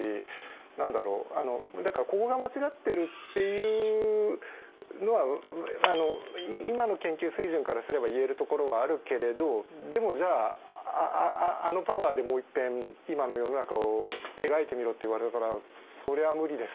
何だろうだからここが間違ってるっていうのは今の研究水準からすれば言えるところはあるけれどでもじゃああのパワーでもういっぺん今の世の中を描いてみろって言われたらそりゃ無理です